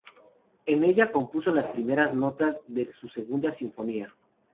En ella compuso las primeras notas de su segunda sinfonía.